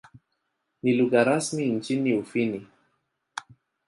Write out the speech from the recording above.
Ni lugha rasmi nchini Ufini.